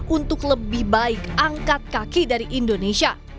untuk lebih baik angkat kaki dari indonesia